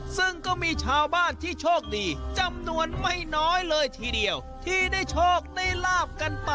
ซึ่งก็มีชาวบ้านที่โชคดีจำนวนไม่น้อยเลยทีเดียวที่ได้โชคได้ลาบกันไป